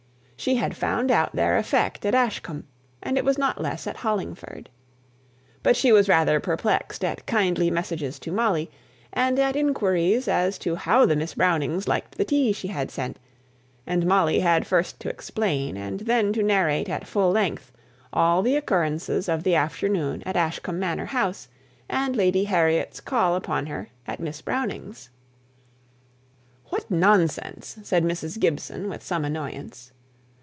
She had found out their effect at Ashcombe; and it was not less at Hollingford. But she was rather perplexed at kindly messages to Molly, and at inquiries as to how the Miss Brownings liked the tea she had sent; and Molly had first to explain, and then to narrate at full length, all the occurrences of the afternoon at Ashcombe Manor house, and Lady Harriet's subsequent call upon her at Miss Brownings'. "What nonsense!" said Mrs. Gibson, with some annoyance.